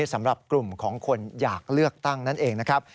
สำหรับกลุ่มของคนอยากเลือกตั้งนั่นเองนะครับ